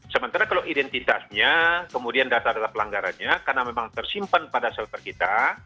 sementara kalau identitasnya kemudian data data pelanggarannya karena memang tersimpan pada shelter kita